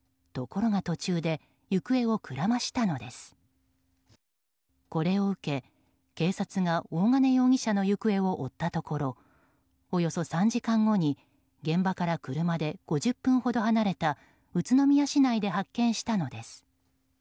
これを受け、警察が大金容疑者の行方を追ったところおよそ３時間後に現場から車で５０分ほど離れた宇都宮市内で発見したのです。